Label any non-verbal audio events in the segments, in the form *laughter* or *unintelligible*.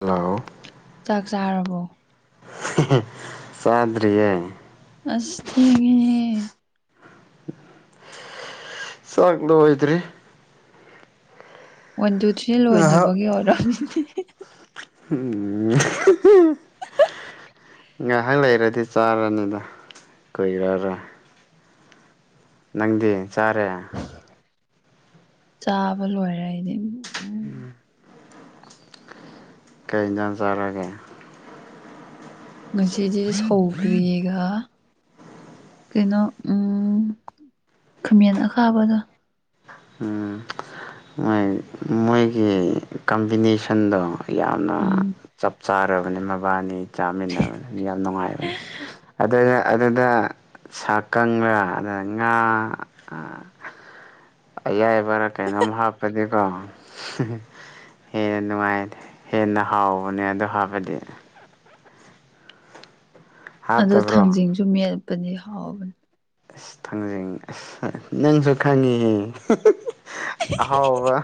hello ꯆꯥꯛ ꯆꯥꯔꯕꯣ ꯁꯥꯗꯔꯤ ꯑꯁ ꯆꯒ ꯅꯣꯣꯏꯗ꯭ꯔꯤ ꯋꯥꯟ ꯇꯨ ꯊ꯭ꯔꯤ ꯉꯥꯏꯍꯥꯛ ꯂꯣꯏꯗ꯭ꯔꯤꯕꯒꯤ ꯑꯣꯏꯔꯣꯖꯤꯗꯤ ꯎꯝ ꯉꯥꯏꯍꯥꯛ ꯂꯩꯔꯗꯤ ꯆꯥꯔꯅꯤꯗ ꯀꯨꯏꯔꯔꯣꯏ ꯅꯪꯗꯤ ꯆꯥꯔꯦ ꯆꯥꯕ ꯂꯣꯏꯔꯦ ꯑꯩꯗꯤ ꯎꯝ ꯀꯩꯗꯟ ꯆꯔꯒꯦ ꯉꯁꯤꯗꯤ ꯁꯧ꯭ꯔꯤꯌꯦꯒ ꯀꯩꯅꯣ ꯎ ꯈꯥꯃꯦꯟ ꯑꯈꯥꯕꯗ ꯎ ꯃꯣꯏ ꯃꯣꯏꯒꯤ ꯀꯝꯕꯤꯅꯦꯁꯟꯗꯣ ꯌꯥꯝꯅ ꯎꯝ ꯆꯞ ꯆꯥꯔꯕꯅꯤ ꯃꯕꯥꯅꯤ ꯆꯥꯃꯤꯟꯅꯕꯅꯦ ꯌꯥꯝ ꯅꯨꯡꯉꯥꯏꯕꯅꯦ ꯑꯗꯨꯅ ꯑꯗꯨꯗ ꯁꯥꯀꯪꯥ ꯑꯗ ꯉꯥ ꯑꯌꯥꯏꯕꯔꯥ ꯀꯩꯅꯣꯝ ꯍꯥꯞꯄꯅꯤꯀꯣ ꯍꯦꯟꯅ ꯅꯨꯡꯉꯥꯏ ꯍꯦꯟꯅ ꯍꯥꯎꯕꯅꯦ ꯑ ꯍꯥꯞꯕꯗꯤ ꯑꯗꯣ ꯍꯥꯞꯇꯕ꯭ꯔꯣ ꯊꯥꯡꯖꯤꯡꯁꯨ ꯃꯦꯠꯄꯅꯦ ꯍꯥꯎꯕꯅꯤ ꯑꯁ ꯊꯥꯡꯖꯅꯤꯡ ꯑꯁ ꯅꯪꯁꯨ ꯈꯪꯉꯤꯍꯦ ꯑꯍꯥꯎꯕ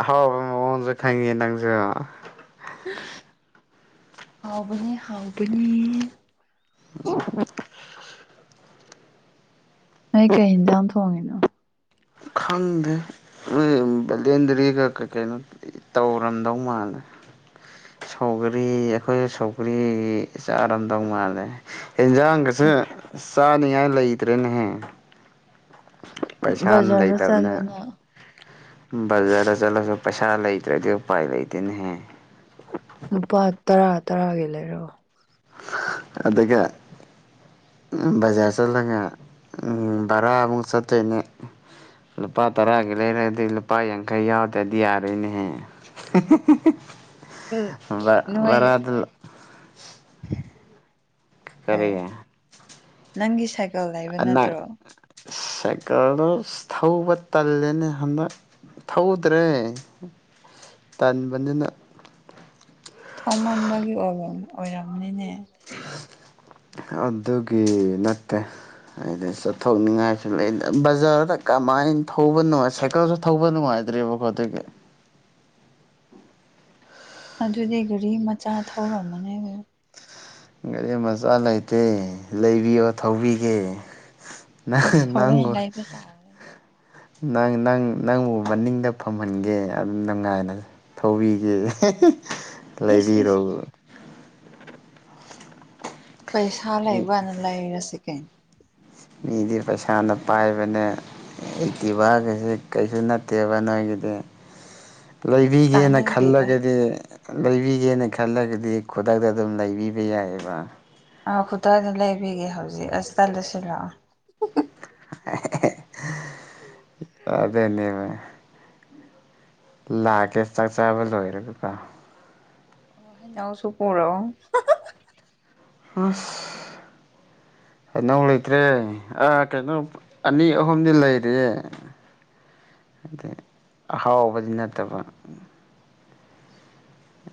ꯑꯍꯥꯎꯕ ꯃꯑꯣꯣꯟꯁꯨ ꯈꯪꯉꯤ ꯅꯪꯁꯨ ꯍꯥꯎꯕ ꯍꯥꯎꯕ *inaudible* ꯅꯣꯏ ꯀꯩꯗ ꯇꯣꯡꯉꯅꯣ ꯈꯪꯗ ꯕꯂꯦꯟꯗꯔꯤꯒ ꯀ ꯀꯩꯅꯩꯅꯣ ꯇꯧꯔꯝꯗꯧ ꯃꯥꯜꯂꯦ ꯁꯧꯒꯔꯤ ꯑꯩꯈꯣꯏ ꯁꯧꯒ꯭ꯔꯤ ꯆꯥꯔꯝꯗꯧ ꯃꯥꯜꯂꯦ ꯏꯟꯖꯥꯡꯒ ꯁ ꯅꯌꯥꯥꯏ ꯂꯩꯇꯦꯟꯍ ꯄꯩꯁꯥꯅ ꯕꯖꯥꯔꯗ ꯂꯩꯇꯕꯅ ꯆꯠꯂꯣꯅ ꯕꯖꯥꯗ ꯆꯠꯂꯁꯨ ꯄꯩꯁꯥ ꯂꯩꯇ꯭ꯔꯗꯤ ꯎꯄꯥꯏ ꯂꯩꯇꯦꯅꯍꯦ ꯂꯨꯄꯥ ꯇꯔꯥ ꯇꯔꯥꯒꯤ ꯂꯩꯔꯑꯣ ꯑꯗꯒꯤ ꯕꯖꯥꯔ ꯆꯠꯂꯒ ꯚꯔꯥ ꯑꯃꯨꯛ ꯆꯠꯇꯣꯏꯅꯦ ꯂꯨꯄꯥ ꯇꯔꯥꯒꯤ ꯂꯩꯔꯒꯗꯤ ꯂꯨꯄꯥ ꯌꯥꯡꯈꯩ ꯌꯥꯎꯗ꯭ꯔꯗꯤ ꯌꯥꯔꯣꯏꯅꯦꯍꯦ ꯎꯝ ꯅꯣꯏ ꯕꯔꯥꯗ ꯀ ꯀꯔꯦ ꯑꯦ ꯅꯪꯒꯤ ꯁꯥꯏꯀꯜ ꯂꯩꯕ ꯅꯠꯇ꯭ꯔꯣ ꯁꯦꯀꯔꯗꯣ ꯊꯧꯕ ꯇꯜꯂꯦꯅꯦ ꯍꯟꯗꯛ ꯊꯧꯗ꯭ꯔꯦ ꯇꯟꯥꯟꯕꯅꯤꯅ ꯊꯧꯃꯟꯕꯒꯤ ꯑꯣꯏ ꯑꯣꯏꯔꯝꯅꯤꯅꯦ ꯑꯗꯨꯒꯤ ꯅꯠꯇꯦ ꯍꯥꯏꯗꯤ ꯆꯠꯊꯣꯛꯅꯤꯡꯉꯥꯏꯁꯨ ꯂꯩ ꯕꯖꯥꯔꯗ ꯀꯃꯥꯏꯅ ꯊꯧꯕ ꯅꯨꯡꯉꯥꯏ ꯁꯥꯏꯀꯜꯁꯨ ꯊꯧꯕ ꯅꯨꯡꯉꯥꯏ ꯈꯦꯇ꯭ꯔꯤꯕꯈꯇ *inaudible* ꯑꯗꯨꯩ ꯒꯥꯔꯤ ꯃꯆꯥ ꯊꯧꯔꯝꯃꯅꯦ ꯒꯥꯔꯤ ꯃꯆꯥ ꯂꯩꯇꯦ ꯂꯩꯕꯤꯌꯣ ꯊꯧꯕꯤꯒꯦ ꯑꯁ ꯍꯣꯔꯦꯟ ꯅꯪꯉꯣ ꯂꯩꯕ ꯇꯥꯔꯒ ꯅꯪ ꯅꯪ ꯅꯪꯕꯨ ꯃꯅꯤꯡꯗ ꯐꯝꯍꯟꯒꯦ ꯑꯗꯨꯝ ꯅꯨꯡꯉꯥꯏꯅꯁ ꯊꯧꯕꯤꯒꯦ ꯏꯁ ꯂꯩꯕꯤꯔꯣ ꯏꯁ ꯄꯩꯁꯥ ꯃꯤ ꯂꯩꯕꯅ ꯂꯩꯔꯁꯤꯒꯦ ꯃꯤꯗꯤ ꯄꯩꯁꯥꯅ ꯄꯥꯏꯕꯅꯦ ꯗꯤꯚꯒꯁꯦ ꯀꯩꯁꯨ ꯅꯠꯇꯦꯕ ꯅꯣꯏꯒꯤꯗꯤ ꯂꯩꯕꯤꯒꯦꯅ ꯇꯥꯅꯤꯡꯗꯦꯗ ꯈꯜꯂꯒꯗꯤ ꯂꯩꯕꯤꯒꯦꯅ ꯈꯜꯂꯒꯗꯤ ꯈꯨꯗꯛꯇ ꯑꯗꯨꯝ ꯂꯩꯕꯤꯕ ꯌꯥꯏꯑꯕ ꯑꯥ ꯈꯨꯇꯗ ꯂꯩꯕꯤꯒꯦ ꯍꯧꯖꯤꯛ ꯑꯁ ꯆꯜꯂꯁꯤ ꯂꯥꯛꯑꯣ ꯑꯗꯅꯤꯔꯦ ꯂꯥꯛꯀꯦ ꯆꯥꯛ ꯆꯥꯕ ꯂꯣꯏꯔꯒꯀꯣ ꯍꯅꯎꯁꯨꯄꯔꯣ ꯍꯁ *inaudible* ꯑꯩꯅꯧ ꯂꯩꯇ꯭ꯔꯦ ꯑꯥ ꯀꯩꯅꯣ ꯑꯅꯤ ꯑꯍꯨꯝꯗꯤ ꯂꯩꯔꯤ ꯑ ꯑꯍꯥꯎꯕꯗꯤ ꯅꯠꯇꯕ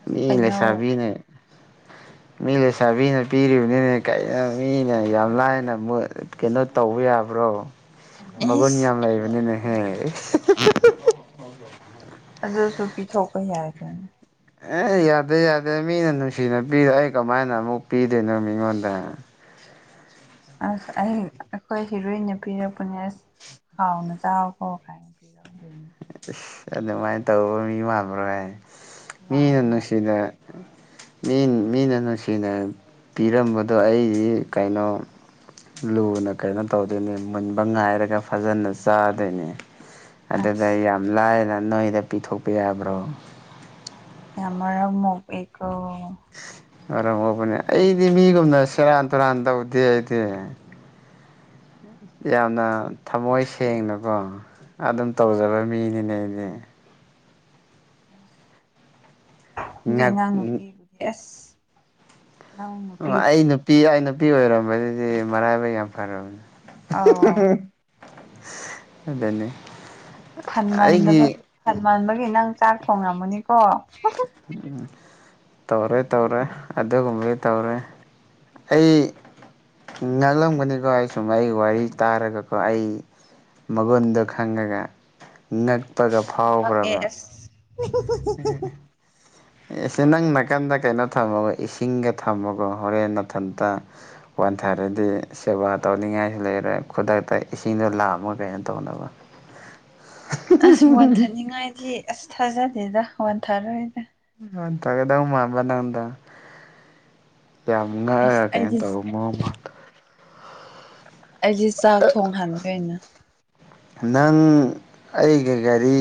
ꯑꯁ ꯃꯤ ꯂꯩ ꯍꯩꯅꯧ ꯁꯕꯤꯅꯦ *inaudible* ꯃꯤ ꯂꯩꯁꯥꯕꯤꯅ ꯄꯤꯔꯤꯕꯅꯤꯅꯦ ꯀꯩꯅ ꯃꯤꯅ ꯌꯥꯝ ꯂꯥꯏꯅ ꯀꯩꯅꯣ ꯇꯧꯕ ꯌꯥ ꯇꯥꯕ꯭ꯔꯣ ꯃꯕꯨ ꯅꯤꯌ ꯏꯁ ꯌꯥꯝ ꯂꯩꯕꯅꯤꯅꯦꯍꯦ ꯑꯗꯨꯁꯨ ꯄꯤꯊꯣꯛꯄ ꯌꯥꯏꯒꯦꯅꯦ ꯑꯦ ꯌꯥꯗꯦ ꯌꯥꯗꯦ ꯃꯤꯅ ꯅꯨꯡꯁꯤꯅ ꯄꯤꯔꯣ ꯑꯩ ꯀꯃꯥꯏꯅ ꯑꯃꯨꯛ ꯄꯤꯗꯣꯏꯅꯣ ꯃꯤꯉꯣꯟꯗ ꯑꯁ ꯑꯩ ꯑꯩꯈꯣꯏ ꯍꯤꯔꯣꯏ ꯅꯨ ꯄꯤꯄꯅꯦꯁ ꯍꯥꯎꯅ ꯆꯥꯎ ꯐꯣ ꯈꯥꯏꯅ ꯄꯤꯔ ꯑꯁ ꯑꯗꯨꯃꯥꯏꯅ ꯇꯧꯕ ꯃꯤ ꯃꯥꯟꯂꯔꯣꯏ ꯃꯤꯅ ꯃꯥꯗꯨꯅ ꯅꯨꯡꯁꯤꯅ *inaudible* ꯃꯤ ꯃꯤꯅ ꯅꯨꯡꯁꯤꯅ ꯄꯤꯔꯝꯕꯗꯣ ꯑꯩ ꯀꯩꯅꯣ ꯂꯨꯅ ꯀꯩꯅꯣ ꯇꯧꯗꯣꯏꯅꯤ ꯃꯨꯟꯕ ꯉꯥꯏꯔꯒ ꯐꯖꯅ ꯆꯥꯗꯣꯏꯅꯦ ꯑꯗꯨꯗ ꯑꯁ ꯌꯥꯝ ꯂꯥꯏꯅ ꯅꯣꯏꯗ ꯄꯤꯊꯣꯛꯄ ꯌꯥꯕ꯭ꯔꯣ ꯌꯥꯝꯔ ꯃꯔꯔꯝ ꯎꯕꯅꯦ ꯑꯩꯗꯤ ꯃꯤꯒꯨꯝꯅ ꯁꯦꯔꯥꯟ ꯇꯨꯔꯥꯟ ꯇꯧꯗꯦ ꯑꯩꯗꯤ ꯌꯥꯝꯅ ꯊꯃꯣꯏ ꯁꯦꯡꯅꯀꯣ ꯑꯗꯨꯝ ꯇꯧꯖꯕ ꯃꯤꯅꯤꯅꯦ ꯑꯩꯗꯤ ꯉꯛ ꯅꯄꯤꯕꯨꯁ ꯑꯩ ꯅꯨꯄꯤ ꯑꯩ ꯅꯨꯄꯤ ꯑꯣꯏꯔꯝꯕꯗꯨꯗꯤ ꯃꯔꯥꯏꯕ ꯌꯥꯝ ꯐꯔꯕꯅꯦ ꯑꯧ ꯑꯗꯨꯅꯤ ꯑꯩꯒꯤ ꯈꯟꯃꯟꯗꯕꯒꯤ ꯈꯟꯃꯟꯕꯒꯤ ꯅꯪ ꯆꯥꯛ ꯊꯣꯡꯉꯝꯃꯅꯤꯀꯣ ꯎꯝ ꯇꯧꯔꯦ ꯇꯧꯔꯦ ꯑꯗꯨꯒꯨꯝꯕ ꯇꯧꯔꯦ ꯑꯩ ꯉꯥꯡꯂꯝꯒꯅꯤꯀꯣ ꯑꯩ ꯁꯨꯝ ꯑꯩ ꯋꯥꯔꯤ ꯇꯥꯔꯒꯀꯣ ꯑꯩ ꯃꯒꯨꯟꯗꯣ ꯈꯪꯉꯒ ꯉꯛ ꯇꯖ ꯌꯥꯝ ꯉꯛꯑꯦ ꯐꯥꯎꯕ꯭ꯔꯕ ꯑꯁ ꯁ ꯅꯪ ꯅꯥꯀꯟꯗ ꯀꯩꯅꯣ ꯊꯝꯃꯒ ꯏꯁꯤꯡꯒ ꯊꯝꯃꯒꯣ ꯍꯣꯔꯦꯟ ꯃꯊꯟꯇ ꯄꯟꯊꯔꯗꯤ ꯁꯦꯕꯥ ꯇꯧꯅꯤꯡꯉꯥꯏꯁꯨ ꯂꯩꯔꯣꯏ ꯈꯨꯗꯛꯇ ꯏꯁꯤꯡꯗꯣ ꯂꯥꯛꯑꯃ ꯀꯩꯅꯣ ꯇꯧꯅꯕ *inaudible* ꯑꯁ ꯋꯥꯟꯊꯅꯤꯡꯉꯥꯏꯗꯤ ꯑꯁ ꯊꯥꯖꯗꯦꯗ ꯋꯥꯟꯊꯔꯣꯏꯗ ꯑ ꯇꯒꯦꯗꯃꯕ ꯂꯗ ꯌꯥꯝ ꯑꯁ ꯉꯥꯏꯒ ꯀꯩꯅꯣ ꯑꯩꯗꯤ ꯇꯧꯔ ꯃꯑꯣꯃ ꯑꯩꯁꯦ ꯆꯥꯛ ꯊꯣꯡ ꯍꯈꯦ ꯑꯣꯏꯅ ꯅꯪ ꯑꯩꯒꯤ ꯒꯥꯔꯤ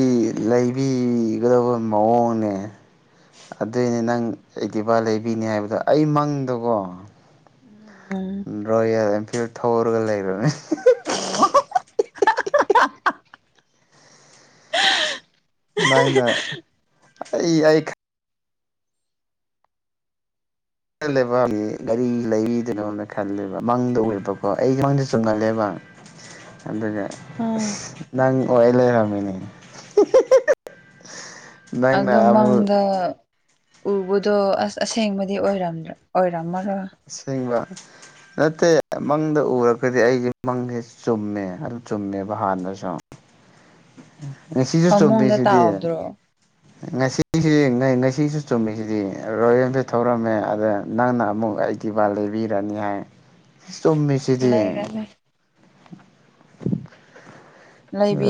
ꯂꯩꯕꯤꯒꯗꯕ ꯃꯑꯣꯡꯅꯦ ꯑꯗꯨꯏꯅꯦ ꯅꯪ ꯏꯗꯤꯕꯥ ꯂꯩꯕꯤꯅꯤ ꯍꯥꯏꯕꯗꯣ ꯑꯩ ꯃꯪꯗꯀꯣ ꯎꯝ ꯗꯣ ꯐꯤꯜ ꯊꯧꯔꯒ ꯂꯩꯔꯅꯦ ꯑꯣ ꯅꯪꯅ *inaudible* ꯑꯩ ꯑꯩ ꯈꯜꯂꯦꯕ ꯒꯥꯔꯤ ꯂꯩꯔꯤꯗꯅꯣꯅ ꯈꯜꯂꯦꯕ ꯃꯪꯗ ꯑꯣꯏꯕꯀꯣ ꯑꯩ ꯃꯥꯡꯗ ꯆꯨꯝꯍꯜꯂꯦꯕ *inaudible* ꯑꯗꯨꯒ ꯎꯝ ꯅꯪ ꯑꯣꯏ ꯂꯩꯔꯝꯃꯤꯅꯦ ꯅꯪꯅ ꯑꯗꯨ ꯑꯃꯨꯛ ꯃꯥꯡꯗ ꯎꯕꯗꯣ ꯑꯁ ꯑꯁꯦꯡꯕꯗꯤ ꯑꯣꯏ ꯑꯣꯏꯔ ꯁꯤꯕ ꯃꯦ ꯃꯪꯗ ꯎꯔꯒꯗꯤ ꯑꯩꯒꯤ ꯃꯪꯁꯦ ꯆꯨꯝꯃꯦ ꯑꯗꯨ ꯆꯨꯝꯃꯦꯕ ꯍꯥꯟꯅꯁꯨ ꯁꯤꯖ ꯐꯃꯨꯡꯗ ꯆꯕꯤꯁꯤꯗꯤꯅꯤ ꯇꯥꯎꯗ꯭ꯔꯣ ꯉꯁꯤꯁꯤ ꯉꯁꯤꯁꯨ ꯆꯨꯝꯃꯤꯁꯤꯗꯤ ꯔꯣꯌꯦꯁꯦ ꯊꯧꯔꯝꯃꯦ ꯑꯗ ꯅꯪꯅ ꯑꯃꯨꯛ ꯚ ꯂꯩꯕꯤꯔꯥꯅꯤ ꯍꯥꯏ ꯑꯁ ꯆꯝꯃꯦꯁꯤꯗꯤ ꯂꯩꯔꯅꯤ *inaudible*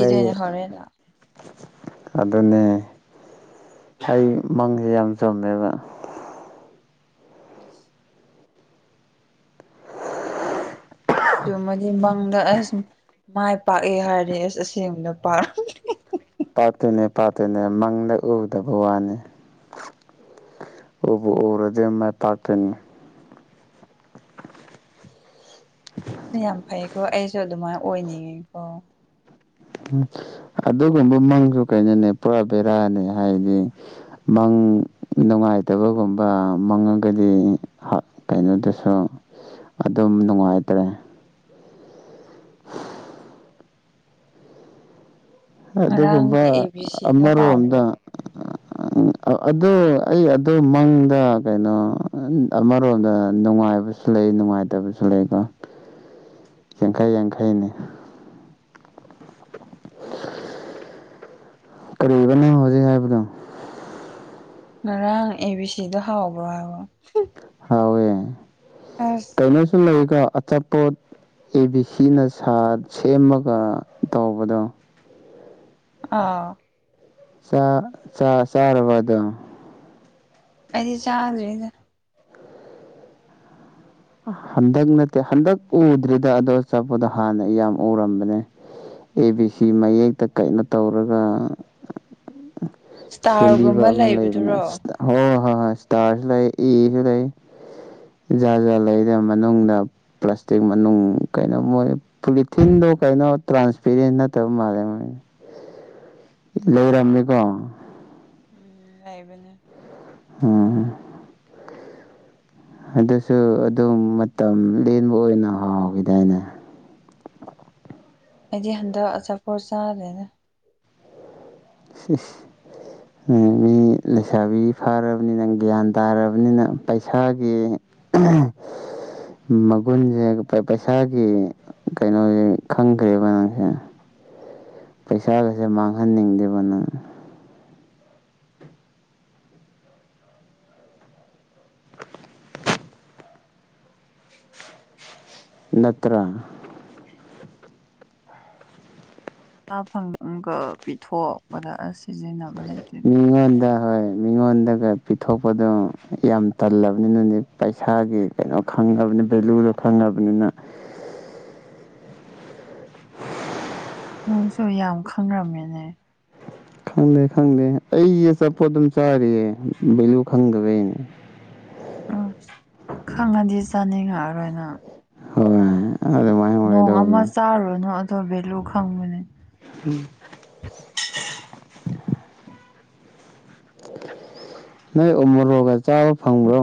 ꯂꯩ ꯍꯣꯔꯦꯟ ꯂꯥꯛ ꯑꯗꯨꯅꯦ ꯑꯩ ꯃꯪꯁꯦ ꯌꯥꯝ ꯆꯝꯃꯦꯕ ꯁ ꯃꯗꯤꯪ꯭ꯂꯥꯁ ꯃꯥꯏ ꯄꯥꯛꯑꯦ ꯍꯥꯏꯔꯗꯤ ꯑꯁ ꯑꯁꯦꯡꯕꯗ ꯄꯥꯛ ꯄꯥꯠꯇꯨꯅꯦ ꯄꯥꯠꯇꯨꯅꯦ ꯃꯪꯗ ꯎꯗꯕ ꯋꯥꯅꯤ ꯑꯣꯏꯔꯗ ꯃ ꯄꯥꯇꯅꯤ *inaudible* ꯑꯁ ꯌꯥꯝ ꯐꯩꯀꯣ ꯑꯩꯁꯨ ꯑꯗꯨꯃꯥꯏꯅ ꯑꯣꯏꯅꯤꯡꯉꯤꯀꯣ ꯎ ꯑꯗꯨꯒꯨꯝꯕ ꯃꯪꯁꯨ ꯀꯩꯅꯣꯅꯦ ꯄꯨꯔꯥ ꯕꯦꯔꯥꯅꯦ ꯍꯥꯏꯗꯤ ꯃꯪ ꯅꯨꯡꯉꯥꯏꯇꯕꯒꯨꯝꯕ ꯃꯪꯉꯒꯗꯤ ꯀꯩꯅꯣꯗꯁꯨ ꯑꯗꯨꯝ ꯅꯨꯡꯉꯥꯏꯇ꯭ꯔꯦ ꯑꯗꯨꯒꯨꯝꯕ ꯉꯔꯥꯡꯒꯤ ꯑꯦ ꯕꯤ ꯁꯤꯗꯣ ꯑꯃꯔꯣꯝꯗ ꯍꯥꯎꯕ꯭ꯔꯣ ꯑꯗꯨ ꯑꯩ ꯑꯗꯨ ꯃꯪꯗ ꯀꯩꯅꯣ ꯑꯃꯔꯣꯝꯗ ꯅꯨꯡꯉꯥꯏ ꯅꯨꯡꯉꯥꯏꯕꯁꯨ ꯂꯩ ꯅꯨꯡꯉꯥꯏꯇꯕꯁꯨ ꯂꯩꯀꯣ *inaudible* ꯌꯥꯡꯈꯩ ꯌꯥꯡꯈꯩꯅꯤ ꯀꯔꯤꯕꯅ ꯍꯧꯖꯤꯩ ꯍꯥꯏꯕꯗ ꯉꯔꯥꯡ ꯑꯦ ꯕꯤ ꯁꯤꯗ ꯍꯥꯎꯕ꯭ꯔꯣ ꯍꯥꯏꯕ ꯍꯥꯎꯋꯦ ꯑꯁ ꯀꯩꯅꯣꯁꯨ ꯂꯩꯀꯣ ꯑꯆꯥꯄꯣꯠ ꯑꯦ ꯕꯤ ꯁꯤꯅ ꯁꯥ ꯁꯦꯝꯃꯒ ꯇꯧꯕꯗꯣ ꯑꯥ ꯆꯔꯔꯕꯗ ꯀꯗꯤ ꯆꯥꯖꯔꯤꯗ ꯍꯟꯗꯛ ꯅꯠꯇꯦ ꯍꯟꯗꯛ ꯎꯗ꯭ꯔꯤꯗ ꯑꯗ ꯆꯠꯄꯗꯣ ꯍꯥꯟꯅ ꯌꯥꯝ ꯎꯔꯝꯕꯅꯦ ꯑꯦ ꯕꯤ ꯁꯤ ꯃꯌꯦꯛꯇ ꯀꯟꯅꯣ ꯇꯧꯔꯒ ꯁꯦꯝꯕꯤꯕ ꯏꯁꯇꯥꯔꯒꯨꯝꯕ ꯑꯃ ꯂꯩꯕꯅꯦ ꯂꯩꯕꯗꯨꯔꯣ ꯁꯤ ꯍꯣꯏ ꯍ ꯍ ꯍ ꯏꯁꯇꯥꯔꯁꯨ ꯂꯩꯥꯏ ꯏꯁꯨ ꯂꯩ ꯖ ꯂꯩ ꯃꯅꯨꯡꯗ ꯄ꯭ꯂꯥꯁꯇꯤꯛ ꯀꯩꯅꯣ ꯃꯣꯏ ꯄꯣꯂꯤꯊꯤꯟꯗꯣ ꯀꯩꯅꯣ ꯇ꯭ꯔꯥꯟ ꯐꯤꯔꯤꯁ ꯅ ꯇꯧ ꯃꯥꯔꯦ ꯂꯩꯔꯝꯃꯦꯀꯣ ꯎꯝ ꯂꯩꯏꯕꯅꯦ ꯎꯝ ꯑꯗꯨꯁꯨ ꯑꯗꯨꯝ ꯃꯇꯝ ꯂꯦꯟꯕ ꯑꯣꯏꯅ ꯍꯥꯎꯈꯤꯗꯥꯏꯅꯦ ꯑꯩꯗꯤ ꯍꯟꯗꯛ ꯑꯆꯥꯄ ꯆꯥꯔꯦꯅꯦ ꯎ ꯃꯤ ꯂꯩꯁꯥꯕꯤ ꯐꯥꯔꯕꯅꯤꯅꯪ ꯒ꯭ꯌꯥꯟ ꯇꯥꯔꯕꯅꯤꯅ ꯄꯩꯁꯥꯒꯤ ꯎꯝ ꯃꯒꯨꯟꯁꯦ ꯄꯩꯁꯥꯒꯤ ꯀꯩꯅꯣꯁꯦ ꯈꯪꯈ꯭ꯔꯦꯕ ꯅꯪꯁꯦ ꯄꯩꯁꯥꯒꯁꯦ ꯃꯥꯡꯍꯟꯅꯤꯡꯗꯕꯅ ꯅꯠꯇ꯭ꯔꯥ ꯉꯥꯐꯝꯪꯒ ꯄꯤꯊꯣꯛꯄꯗ ꯁꯤꯖꯤꯟꯅꯕ ꯂꯩꯇꯦꯅꯤ ꯑꯩꯉꯣꯟꯗꯒ ꯄꯤꯊꯣꯛꯄꯗꯣ ꯌꯥꯝ ꯇꯜꯂꯕꯅꯤꯅꯗꯤ ꯄꯩꯁꯥꯒꯤ ꯀꯩꯅꯣ ꯈꯪꯉꯕꯅꯤ ꯂꯨꯗꯣ ꯈꯪꯉꯕꯅꯤꯅ *unintelligible* ꯑ ꯅꯪꯁꯨ ꯌꯥꯝ ꯈꯪ꯭ꯔꯝꯃꯤꯅꯦ ꯈꯪꯗꯦ ꯈꯪꯗꯦ ꯑꯩꯁ ꯑꯆꯥꯄꯣꯠ ꯑꯗꯨꯝ ꯆꯥꯔꯤꯌꯦ ꯚꯦꯂꯨ ꯈꯪꯗꯕꯩꯅꯦ *unintelligible* ꯈꯪꯉꯗꯤ ꯆꯥꯅꯤꯡꯉꯛꯑꯔꯣꯏꯅ ꯍꯣꯏ ꯑꯗꯨ ꯃꯥꯏ ꯍꯒꯗꯧꯕꯅꯦ ꯇꯣꯕꯂꯨ ꯈꯥꯡꯉꯕꯅꯤ ꯎꯝ ꯅꯣꯏ ꯎꯃꯣꯒ ꯆꯥꯕ ꯐꯪꯕ꯭ꯔꯣ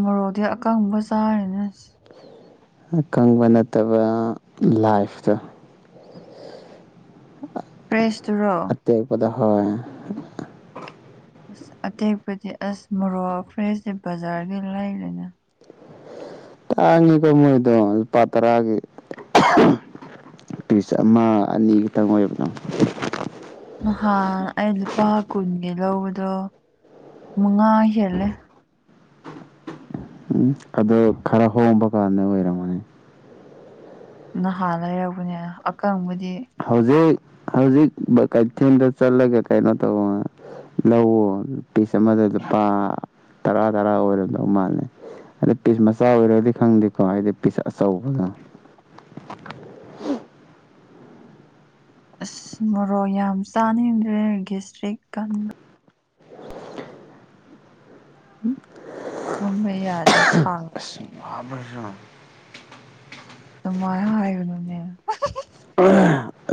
ꯃꯣꯔꯣꯗꯤ ꯑꯀꯪꯕ ꯆꯥꯔꯦꯅꯦꯁ ꯀꯪꯕ ꯅꯠꯇꯕ ꯂꯥꯏꯐꯇꯣ ꯐ꯭ꯔꯦꯁ ꯇꯨꯔꯣ ꯑꯇꯦꯛꯄꯗ ꯍꯣꯏ ꯑꯁ ꯑꯇꯦꯛꯄꯨꯗꯤ ꯑꯁ ꯃꯣꯔꯣꯛ ꯐ꯭ꯔꯦꯁꯦ ꯕꯖꯥꯔꯒꯤ ꯂꯩꯔꯦꯅ ꯇꯥꯉꯤ ꯀ ꯃꯣꯏꯗ ꯄꯇꯔꯒꯤꯦ ꯇꯨꯔꯤꯁ ꯑꯃ ꯑꯅꯤ ꯈꯛꯇꯪ ꯑꯣꯏꯕꯅꯣ ꯍꯥ ꯑꯗꯤ ꯄꯥꯈꯅꯤ ꯌꯦ ꯂꯧꯕꯗꯣ ꯃꯉꯥ ꯍꯦꯜꯂꯦ ꯎꯝ ꯑ ꯈꯔ ꯍꯣꯡꯕ ꯀꯥꯟꯗ ꯑꯣꯏꯔꯝꯃꯅꯤ ꯅꯍꯥꯟ ꯂꯩꯔꯛꯔꯕꯅꯦꯅ ꯑꯀꯪꯕ ꯍꯧꯖꯤꯛ ꯍꯧꯖꯤꯛ ꯀꯩꯊꯦꯜꯗ ꯆꯠꯂꯒꯦ ꯀꯩꯅꯣ ꯇꯧꯕ ꯂꯧꯋ ꯄꯤꯁ ꯑꯃꯗ ꯂꯨꯄꯥ ꯇꯔꯥ ꯇꯔꯥ ꯑꯣꯏꯔꯝꯗꯧ ꯃꯥꯜꯂꯦ ꯑꯗ ꯄꯤꯁ ꯃꯆꯥ ꯑꯣꯏꯔꯗꯤ ꯈꯪꯗꯦꯀꯣ ꯍꯥꯏꯗꯤ ꯄꯤꯁ ꯑꯆꯧꯕꯗꯣ *unintelligible* ꯑꯁ ꯃꯣꯛ ꯌꯥꯝ ꯆꯥꯅꯤꯡꯦꯒꯤꯁꯇ꯭ꯔꯤꯛ ꯀꯟꯕ ꯇꯨꯝꯕ ꯌꯥꯗꯦ ꯁꯥꯒꯠꯇꯅ ꯃꯥꯁꯨ ꯑ ꯇꯃ ꯍꯥꯏꯒꯅꯅꯦ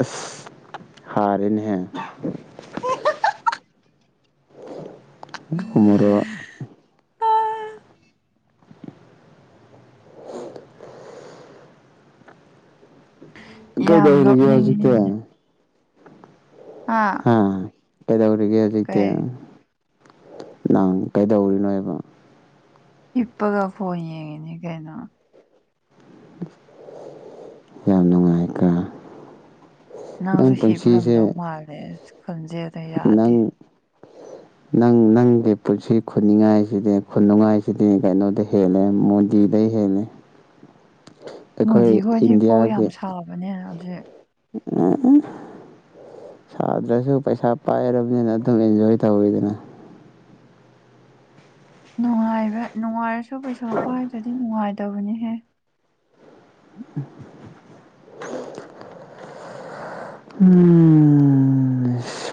ꯑ ꯍꯥꯔꯦꯅꯦꯍ ꯃꯔꯣ ꯌꯥꯝ ꯀꯩꯗꯧꯔꯤꯒꯦ ꯍꯧꯖꯤꯛꯇꯤ ꯅꯣꯛꯅꯤꯡꯉꯤ ꯍꯥ ꯍꯥꯥ ꯄꯦꯗꯎꯔꯤꯒ ꯍꯧꯖꯤꯛꯇ ꯀꯩ ꯅꯪ ꯀꯩꯗꯧꯔꯤꯅꯣ ꯍꯥꯏꯕ ꯏꯄꯥꯒ ꯐꯣꯟ ꯌꯦꯡꯉꯤꯅꯤ ꯀꯩꯅꯣ ꯌꯥꯝ ꯅꯨꯡꯉꯥꯏꯀꯥ ꯅꯪꯁꯨ ꯍꯤꯞ ꯉꯝꯗꯧ ꯃꯥꯜꯂꯦ ꯈꯟꯖꯦꯗ ꯌꯥꯗꯦ ꯅꯪ ꯅꯪ ꯅꯪꯒꯤ ꯄꯨꯟꯁꯤ ꯈꯨꯅꯤꯡꯉꯥꯏꯁꯤꯗꯤ ꯈꯨꯅꯨꯡꯉꯥꯏꯁꯤꯗꯤ ꯀꯩꯅꯣꯗ ꯍꯦꯜꯂꯦ ꯃꯣꯗꯤꯗ ꯑꯩ ꯍꯦꯅꯦ *inaudible* ꯃꯣꯗꯤꯈꯣꯏꯗꯤ ꯀꯣꯛ ꯌꯥꯝ ꯏꯟꯗꯤꯌꯥꯒꯤ ꯁꯥꯕꯅꯦ ꯍꯧꯖꯤꯛ ꯁꯥꯗ꯭ꯔꯁꯨ ꯄꯩꯁꯥ ꯄꯥꯏꯔꯕꯅꯤꯅ ꯑꯗꯨꯝ ꯑꯦꯟꯖꯣꯏ ꯇꯧꯋꯤꯗꯅ ꯅꯨꯡꯉꯥꯏꯕ ꯅꯨꯡꯉꯥꯏꯔꯁꯨ ꯄꯩꯁꯥ ꯄꯥꯏꯗ꯭ꯔꯗꯤ ꯅꯨꯡꯉꯥꯏꯗꯕꯅꯤꯍꯦ ꯎꯝ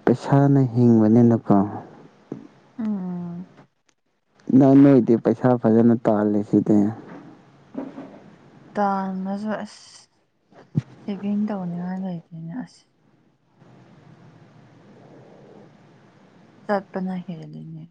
ꯄꯩꯁꯥꯅ ꯍꯤꯡꯕꯅꯤꯅꯀꯣ ꯑꯥ ꯅ ꯅꯣꯏꯗꯤ ꯄꯩꯁꯥ ꯐꯖꯅ ꯇꯥꯜꯂꯤ ꯁꯤꯗꯤ ꯇꯥꯟꯅꯁꯨ ꯑꯁ ꯁꯦꯚꯤꯡ ꯇꯧꯅꯤꯡꯉꯥꯏ ꯂꯩꯇꯦꯅꯦ ꯑꯁ ꯁꯠꯄꯅꯥ ꯍꯦꯔ ꯂꯩꯅ